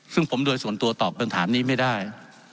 ซึ่งผมโดยส่วนตัวตอบปัญหานี้ไม่ได้